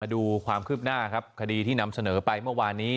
ดูความคืบหน้าครับคดีที่นำเสนอไปเมื่อวานนี้